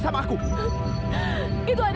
kamu harus menikah sama aku